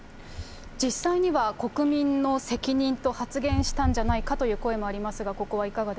実際には国民の責任と発言したんじゃないかという声もありま